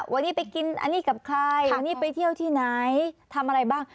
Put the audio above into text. วันนี้ไปกินอันนี้กับใครอันนี้ไปเที่ยวที่ไหนทำอะไรบ้าง